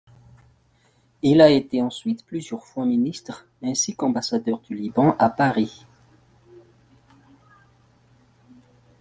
Il a été ensuite plusieurs fois ministre ainsi qu’ambassadeur du Liban à Paris.